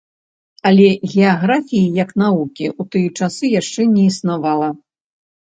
Але геаграфіі, як навукі, у тыя часы яшчэ не існавала.